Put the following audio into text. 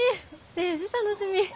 デージ楽しみ。